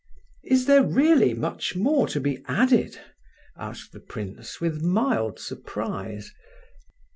"Is there really much more to be added?" asked the prince, with mild surprise.